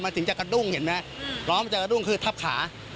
ถึงจะกระดุ้งเห็นไหมล้อมันจะกระดุ้งคือทับขา